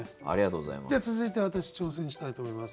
じゃあ続いて私挑戦したいと思います